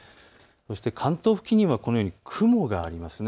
そして関東付近にはこのように雲があります。